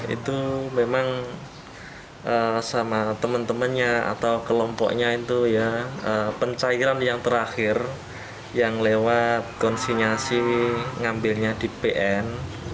itu memang sama teman temannya atau kelompoknya itu ya pencairan yang terakhir yang lewat konsinyasi ngambilnya di pn